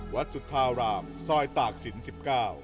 สุธารามซอยตากศิลป์๑๙